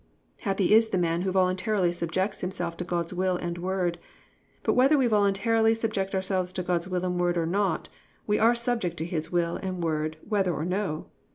"+ Happy is the man who voluntarily subjects himself to God's will and word, but whether we voluntarily subject ourselves to God's will and word or not, we are subject to His will and word whether or no.